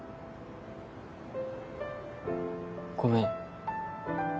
ごめん。